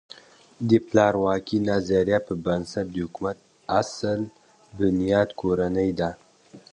د پلار واکۍ نظریه پر بنسټ د حکومت اصل بنیاد کورنۍ ده.